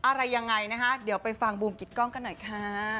อะไรยังไงนะคะเดี๋ยวไปฟังบูมกิตกล้องกันหน่อยค่ะ